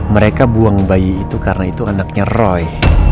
mereka buang bayi itu karena itu anaknya roy